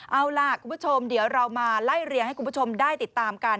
เอาล่ะคุณผู้ชมเดี๋ยวเรามาไล่เรียงให้คุณผู้ชมได้ติดตามกัน